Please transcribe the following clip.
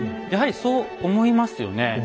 やはりそう思いますよね。